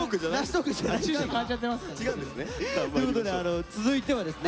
違うんですね。ということで続いてはですね